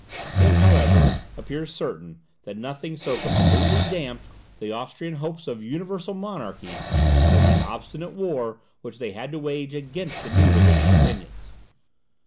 This, however, appears certain, that nothing so completely damped the Austrian hopes of universal monarchy, as the obstinate war which they had to wage against the new religious opinions.